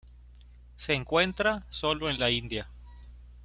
Se encuentra sólo en la India.